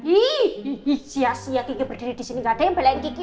ih sia sia gigi berdiri di sini ga ada yang pelain gigi